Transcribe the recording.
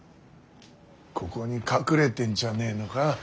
ここに隠れてんじゃねえのか。